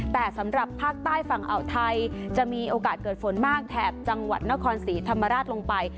แต่สำหรับภาคใต้ฝั่งอ่าวไทยจะมีโอกาสเกิดฝนมากแถบจังหวัดนครศรีธรรมราชลงไป